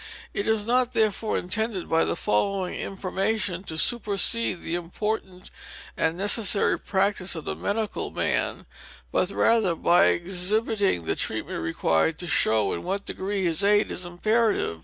It is not, therefore, intended by the following information to supersede fhe important and necessary practice of the medical man; but rather, by exhibiting the treatment required, to show in what degree his aid is imperative.